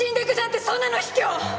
そんなの卑怯！